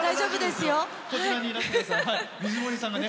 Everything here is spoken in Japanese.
こちらにいらしてください。